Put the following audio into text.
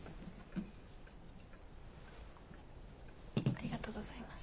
ありがとうございます。